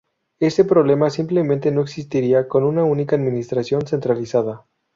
Este problema simplemente no existiría con una única Administración centralizada.